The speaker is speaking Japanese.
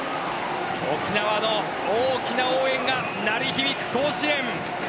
沖縄の大きな応援が鳴り響く甲子園。